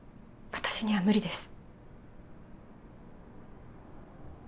私には無理です